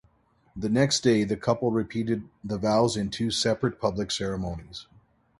The next day, the couple repeated the vows in two separate public ceremonies.